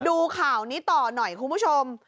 ดูข่าวนี้ต่อหน่อยคุณผู้ชม